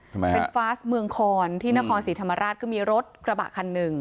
ทำไมฮะเป็นฟาสเมืองคอนที่นครศรีธรรมราชก็มีรถกระบะคันหนึ่ง